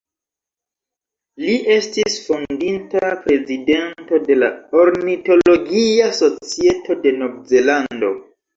Li estis fondinta Prezidento de la Ornitologia Societo de Novzelando.